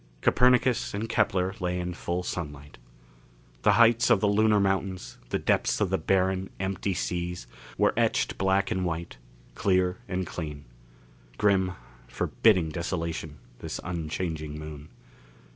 Copernicus and Kepler lay in full sunlight. The heights of the lunar mountains, the depths of the barren, empty seas were etched black and white, clear and clean. Grim, forbidding desolation, this unchanging Moon.